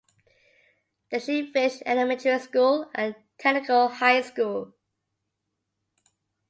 There she finished elementary school and technical high school.